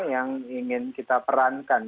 yang ingin kita perankan